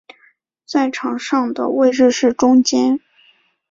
在场上的位置是中坚。